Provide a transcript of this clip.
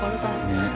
ねえ。